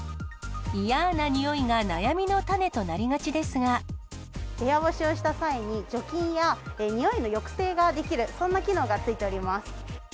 嫌ーな臭いが悩みの種となりがち部屋干しをした際に、除菌や臭いの抑制ができる、そんな機能が付いております。